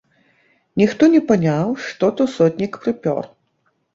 Ніхто не паняў, што то сотнік прыпёр!